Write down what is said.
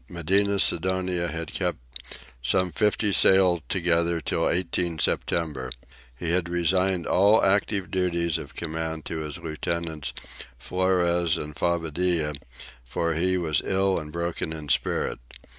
Medina Sidonia had kept some fifty sail together till 18 September. He had resigned all active duties of command to his lieutenants, Flores and Bobadilla, for he was ill and broken in spirit.